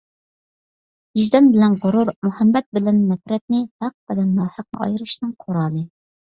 ۋىجدان بىلەن غۇرۇر، مۇھەببەت بىلەن نەپرەتنى، ھەق بىلەن ناھەقنى ئايرىشنىڭ قورالى.